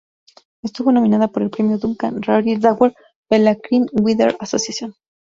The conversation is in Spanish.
Estuvo nominada para el premio Duncan Lawrie Dagger de la Crime Writer's Association.